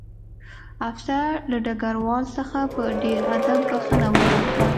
افسر له ډګروال څخه په ډېر ادب بښنه وغوښته